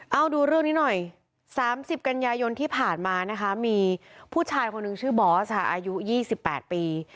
เอาดูเรื่องนี้หน่อย๓๐กันยายนที่ผ่านมานะคะมีผู้ชายคนหนึ่งชื่อบอสค่ะอายุ๒๘ปี